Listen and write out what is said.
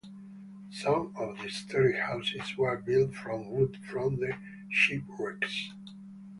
Some of the historic houses were built from wood from the shipwrecks.